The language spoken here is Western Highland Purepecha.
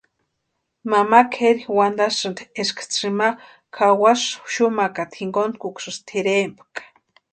Mama kʼeri wantasïnti eska tsʼïma kʼawasï xumakata jinkontkusï tʼirempka.